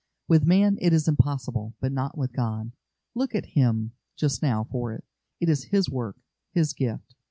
With man it is impossible, but not with God. Look at Him just now for it. It is His work, His gift.